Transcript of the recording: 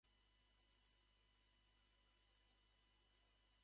二個目の回転している棘まで、クリアしたよ